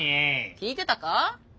聞いてたか？